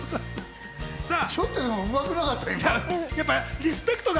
ちょっとでも今、うまくなかった？